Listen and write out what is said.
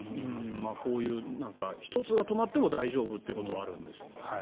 こういう１つが止まっても大丈夫ということはあるんでしょうね。